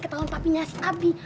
ketahuan papinya si abi